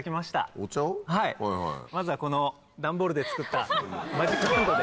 まずはこのダンボールで作ったマジックハンドで！